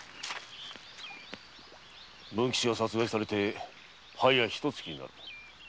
文吉が殺害されてはやひと月になる。